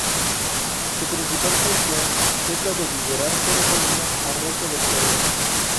Su principal función es la de liberar serotonina al resto del cerebro.